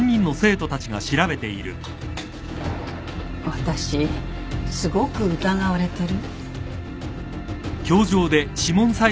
私すごく疑われてる？